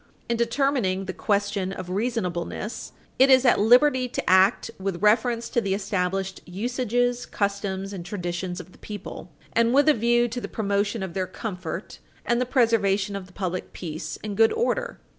In determining the question of reasonableness, it is at liberty to act with reference to the established usages, customs, and traditions of the people, and with a view to the promotion of their comfort and the preservation of the public peace and good order.